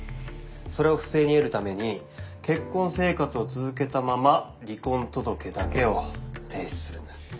それを不正に得るために結婚生活を続けたまま離婚届だけを提出するんだ。